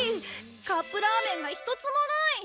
カップラーメンが１つもない！